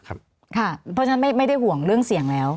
เพราะฉะนั้นไม่ได้ห่วงเรื่องเสี่ยงแล้ว